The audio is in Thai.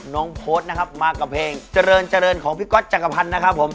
โพสต์นะครับมากับเพลงเจริญเจริญของพี่ก๊อตจักรพันธ์นะครับผม